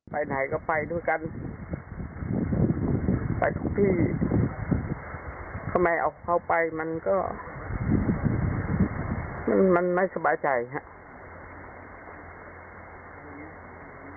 ไปไหนก็ไปด้วยกันไปทุกที่ทำไมเอาเขาไปมันก็มันไม่สบายใจครับ